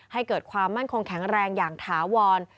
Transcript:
ให้เกิดความมั่นคงแข็งแรงอย่างถาวร